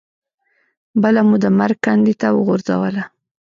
بله مو د مرګ کندې ته وغورځوله.